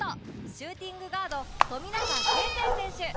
シューティングガード富永啓生選手